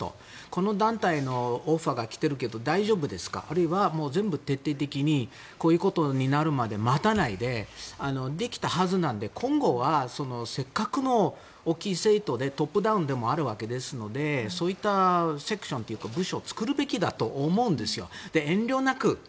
この団体のオファーが来ているけど大丈夫ですか、あるいは全部徹底的にこういうことになるまで待たないでできたはずなので今後は、せっかくの大きい政党でトップダウンでもあるわけですのでそういったセクションというか部署を作るべきだと思うんです。